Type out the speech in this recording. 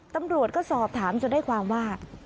ตำรวจก็สอบถามจนได้ความว่า